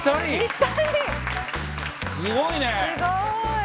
すごいね。